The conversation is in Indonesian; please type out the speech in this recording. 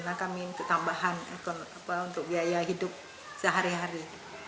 nah kami ketambahan untuk biaya hidup sehari hari